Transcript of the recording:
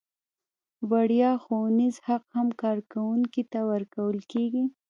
وړیا ښوونیز حق هم کارکوونکي ته ورکول کیږي.